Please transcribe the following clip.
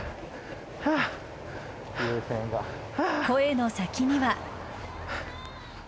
声の先には。